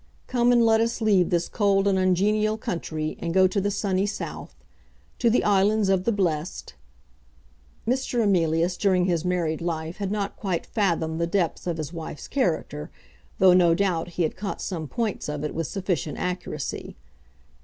Come, and let us leave this cold and ungenial country and go to the sunny south; to the islands of the blest, Mr. Emilius during his married life had not quite fathomed the depths of his wife's character, though, no doubt, he had caught some points of it with sufficient accuracy.